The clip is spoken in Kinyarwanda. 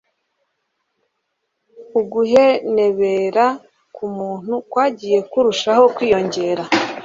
uguhenebera kumuntu kwagiye kurushaho kwiyongera